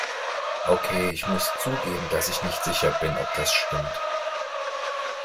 Okay, ich muss zugeben, dass ich nicht sicher bin, ob das stimmt.